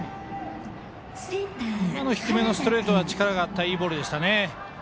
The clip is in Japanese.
今の低めのストレートは力があった、いいボールでした。